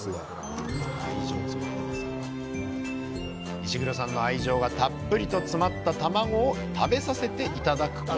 石黒さんの愛情がたっぷりと詰まったたまごを食べさせて頂くことに！